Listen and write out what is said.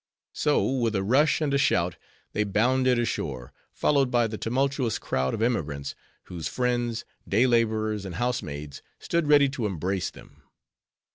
So with a rush and a shout, they bounded ashore, followed by the tumultuous crowd of emigrants, whose friends, day laborers and housemaids, stood ready to embrace them.